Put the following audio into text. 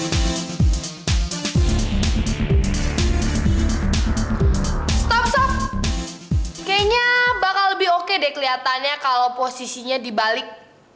kayaknya bakal lebih oke deh keliatannya kalo posisinya dibalik